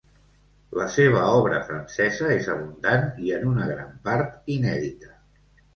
La seva obra francesa és abundant i en una gran part inèdita.